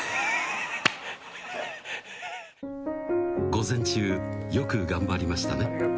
午前中よく頑張りましたね。